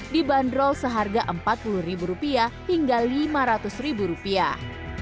dibanderol seharga empat puluh rupiah hingga lima ratus rupiah